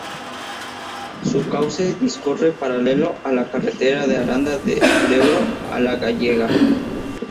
Su cauce discurre paralelo a la carretera de Aranda de Duero a La Gallega.